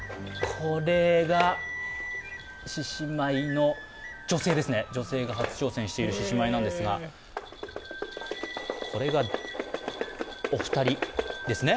これが獅子舞の女性ですね、女性が初挑戦している獅子舞なんですがこれがお二人ですね。